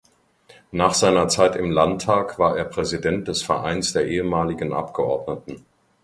Nach seiner Zeit im Landtag war er Präsident des Vereins der ehemaligen Abgeordneten.